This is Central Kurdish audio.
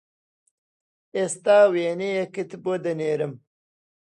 ئێستا وێنەیەکت بۆ دەنێرم